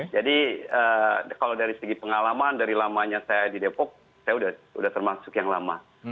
jadi kalau dari segi pengalaman dari lamanya saya di depok saya sudah termasuk yang lama